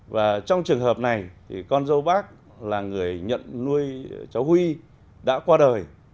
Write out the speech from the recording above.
và trong trường hợp này thì con dâu bác là người nhận nuôi cháu huy đã qua đời